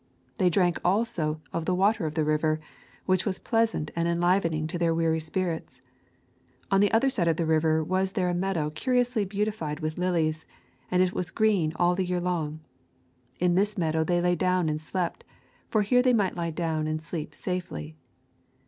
They drank also of the water of the river, which was pleasant and enlivening to their weary spirits. On either side of the river was there a meadow curiously beautified with lilies, and it was green all the year long. In this meadow they lay down and slept, for here they might lie down and sleep safely.